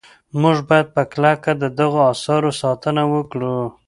موږ باید په کلکه د دغو اثارو ساتنه وکړو.